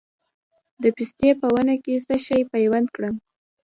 د پستې په ونه څه شی پیوند کړم؟